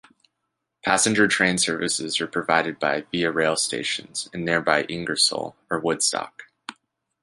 Passenger train services are provided by Via Rail stations in nearby Ingersoll or Woodstock.